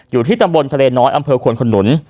อยู่ที่ตำบลทะเลน้อยอำเภอควนขนุน